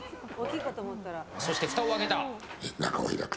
そして、ふたを開けた。